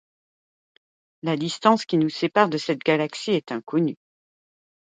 La distance qui nous sépare de cette galaxie est inconnue.